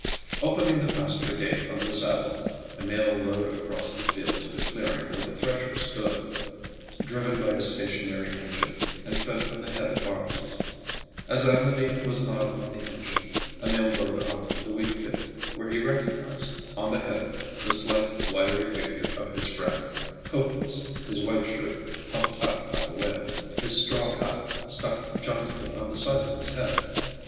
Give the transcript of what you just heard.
Opening the pasture gate from the saddle, Emil rode across the field to the clearing where the thresher stood, driven by a stationary engine and fed from the header boxes. As Amédée was not on the engine, Emil rode on to the wheatfield, where he recognized, on the header, the slight, wiry figure of his friend, coatless, his white shirt puffed out by the wind, his straw hat stuck jauntily on the side of his head.